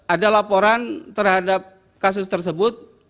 ada laporan terhadap kasus tersebut